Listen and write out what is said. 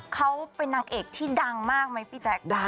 เขาเป็นนางเอกที่ดังมากไหมพี่แจ๊ค